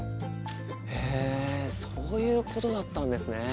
へえそういうことだったんですね。